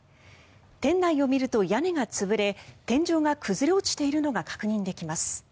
店内を見ると屋根が潰れ天井が崩れ落ちているのが確認できます。